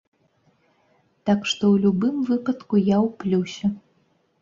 Так што ў любым выпадку я ў плюсе.